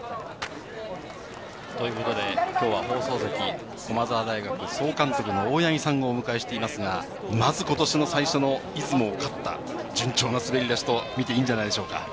きょうは放送席に駒澤大学・総監督の大八木さんをお迎えしていますが、まずことしの最初の出雲を勝った、順調な滑り出しと見ていいんじゃないでしょうか？